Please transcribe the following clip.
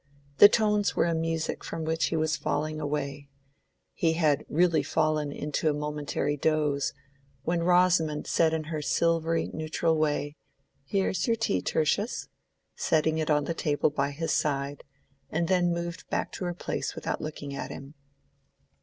the tones were a music from which he was falling away—he had really fallen into a momentary doze, when Rosamond said in her silvery neutral way, "Here is your tea, Tertius," setting it on the small table by his side, and then moved back to her place without looking at him.